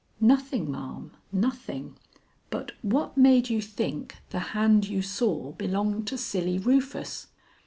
"Nothing, ma'am, nothing. But what made you think the hand you saw belonged to Silly Rufus?"